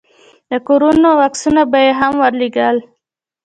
د کورونو عکسونه به يې هم ورولېږم.